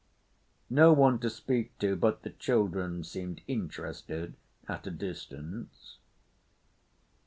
"No one to speak to, but the children seemed interested at a distance."